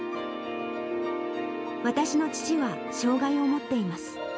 私の父は障がいを持っています。